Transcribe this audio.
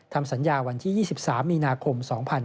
ทำสัญญาวันที่๒๓มีนาคม๒๕๕๙